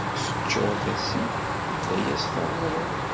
Teččuṛ tasilt, ula yas-ternuḍ!